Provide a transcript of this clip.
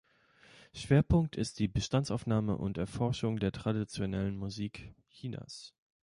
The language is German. Schwerpunkt ist die Bestandsaufnahme und Erforschung der traditionellen Musik Chinas.